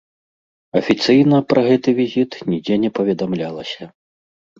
Афіцыйна пра гэты візіт нідзе не паведамлялася.